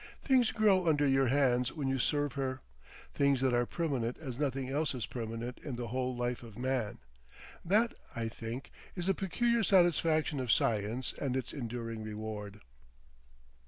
Things grow under your hands when you serve her, things that are permanent as nothing else is permanent in the whole life of man. That, I think, is the peculiar satisfaction of science and its enduring reward....